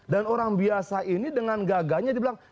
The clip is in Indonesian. dan orang biasa ini dengan gaganya dibilang